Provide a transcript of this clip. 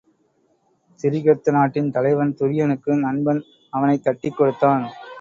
திரிகர்த்த நாட்டின் தலைவன் துரியனுக்கு நண்பன் அவனைத் தட்டிக் கொடுத்தான்.